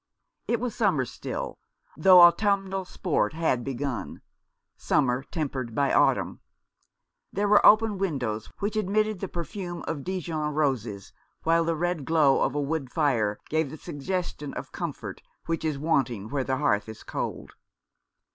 It was summer still, though autumnal sport had begun — summer tempered by autumn. There were open windows which admitted the perfume of Dijon roses, while the red glow of a wood fire gave that suggestion of comfort which is wanting where the hearth is cold.